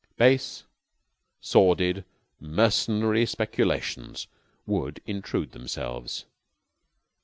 Base, sordid, mercenary speculations would intrude themselves.